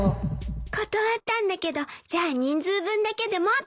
断ったんだけどじゃあ人数分だけでもって。